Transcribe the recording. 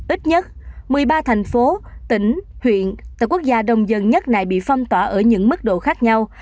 ít nhất một mươi ba thành phố tỉnh huyện tại quốc gia đông dân nhất này bị phong tỏa ở những mức độ khác nhau